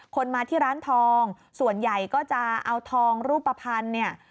คนมาที่ร้านทองส่วนใหญ่ก็จะเอาทองรูปภัณฑ์เนี่ย